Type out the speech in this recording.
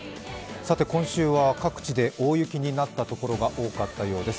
今週は各地で大雪になった所が多かったようです。